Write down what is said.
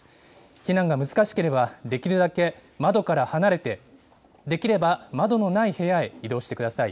避難が難しければ、できるだけ窓から離れて、できれば窓のない部屋へ移動してください。